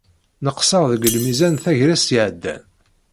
Neqseɣ deg lmizan tagrest iɛeddan.